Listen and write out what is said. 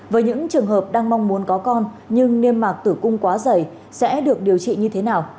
với những trường hợp đang mong muốn có con nhưng niêm mạc tử cung quá dày sẽ được điều trị như thế nào